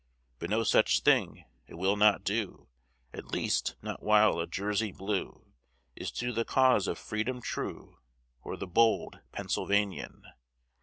But no such thing it will not do At least, not while a Jersey Blue Is to the cause of freedom true, Or the bold Pennsylvanian.